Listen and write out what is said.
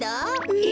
え！？